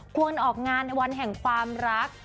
ควรออกงานในวันแห่งความรัก